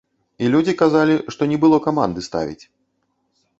І людзі казалі, што не было каманды ставіць.